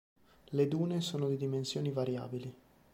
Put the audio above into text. Le dune sono di dimensioni variabili.